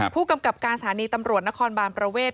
ผู้กำกับการสถานีตำรวจนครบานประเวท